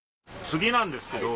次なんですけど。